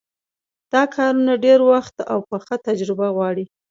دا کارونه ډېر وخت او پخه تجربه غواړي.